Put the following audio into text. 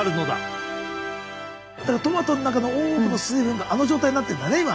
だからトマトの中の多くの水分があの状態になってんだね